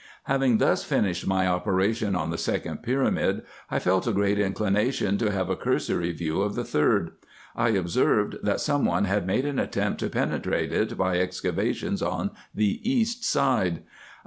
Having thus finished my operation on the second pyramid, I felt a great inclination to have a cursory view of the third. I observed, that some one had made an attempt to penetrate it by excavations on the east side.